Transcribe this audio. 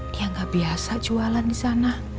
dia gak biasa jualan disana